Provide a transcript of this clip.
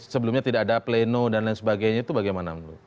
sebelumnya tidak ada pleno dan lain sebagainya itu bagaimana